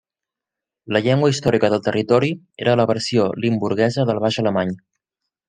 La llengua històrica del territori era la versió limburguesa del baix alemany.